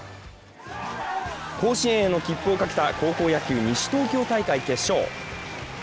甲子園への切符をかけた高校野球西東京大会決勝。